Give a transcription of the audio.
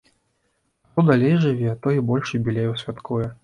А хто далей жыве, той і больш юбілеяў святкуе.